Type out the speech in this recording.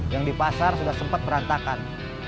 yang di pasar sudah sempat berantakan